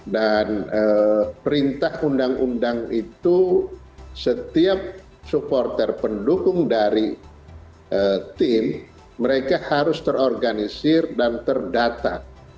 dan perintah undang undang itu setiap supporter pendukung dari tim mereka harus terorganisir dan terdata